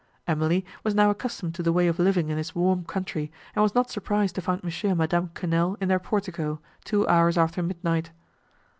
Emily was now accustomed to the way of living in this warm country, and was not surprised to find Mons. and Madame Quesnel in their portico, two hours after midnight.